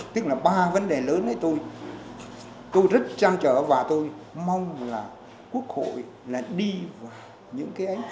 tức là ba vấn đề lớn ấy tôi rất chăn trở và tôi mong là quốc hội là đi vào những cái ấy